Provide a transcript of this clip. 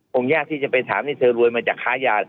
ยากที่จะไปถามที่เธอรวยมาจากค้ายา